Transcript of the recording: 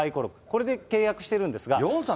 これで契約しているんですが。